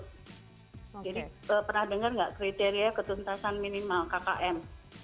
jadi pernah dengar nggak kriteria ketentasan minimal kkm